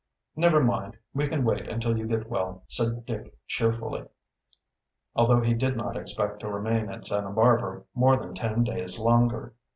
"Never mind, we can wait until you get well," said Dick cheerfully, although he did not expect' to remain at Santa Barbara more than ten days longer.